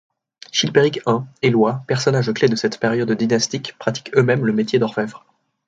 Chilpéric I, Eloi, personnages clés de cette période dynastique pratiquaient eux-mêmes le métier d’orfèvre.